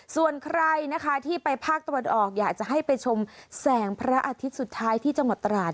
ส่วนใครนะคะที่ไปภาคตะวันออกอยากจะให้ไปชมแสงพระอาทิตย์สุดท้ายที่จังหวัดตราด